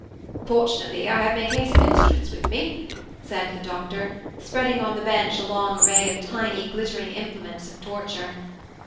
"Fortunately I have my case of instruments with me," said the doctor, spreading on the bench a long array of tiny, glittering implements of torture.